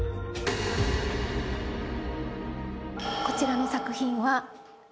こちらの作品は。